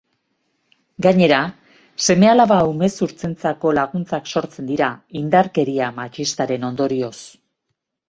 Gainera, seme-alaba umezurtzentzako laguntzak sortzen dira indarkeria matxistaren ondorioz.